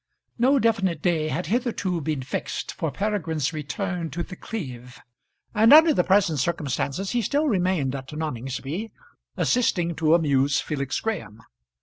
No definite day had hitherto been fixed for Peregrine's return to The Cleeve, and under the present circumstances he still remained at Noningsby assisting to amuse Felix Graham.